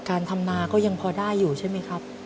แล้วเขาเป็นเด็กดีด้วย